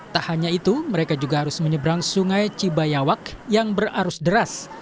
tak hanya itu mereka juga harus menyeberang sungai cibayawak yang berarus deras